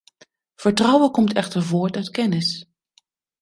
Vertrouwen komt echter voort uit kennis.